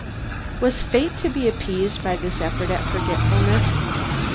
Was fate to be appeased by this effort at forgetfulness?